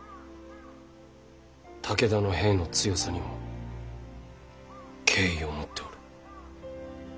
武田の兵の強さには敬意を持っておる。